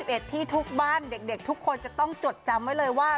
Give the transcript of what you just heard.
เอ็ดที่ทุกบ้านเด็กทุกคนจะต้องจดจำไว้เลยว่า